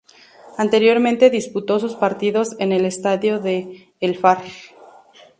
Anteriormente disputó sus partidos en el estadio de "El Far".